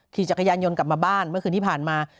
ขี่จักรยานยนต์กลับมาบ้านเมื่อคืนที่ผ่านมา